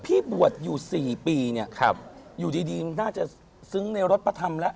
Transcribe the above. พี่บวชอยู่๔ปีเนี่ยอยู่ดีน่าจะซึ้งในรถพระธรรมแล้ว